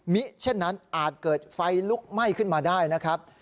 เช่นนั้นอาจเกิดไฟลุกไหม้ขึ้นมาได้นะครับ